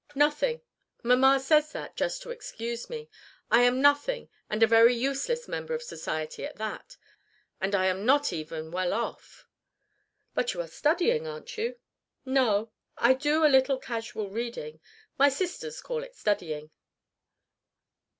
"Nothing. Mamma says that, just to excuse me. I am nothing and a very useless member of society at that. And I am not even well off." "But you are studying, aren't you?" "No. I do a little casual reading. My sisters call it studying."